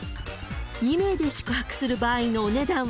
［２名で宿泊する場合のお値段は］